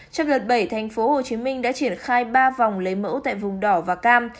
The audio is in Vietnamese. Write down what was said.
trong đợt bảy tp hcm đã triển khai ba vòng lấy mẫu tại vùng đỏ và cam